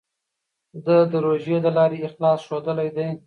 ده د روژې له لارې اخلاص ښودلی دی.